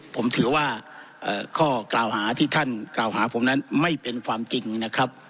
ผมถือว่าข้อกล่าวหาที่ท่านกล่าวหาผมนั้นไม่เป็นความจริงนะครับ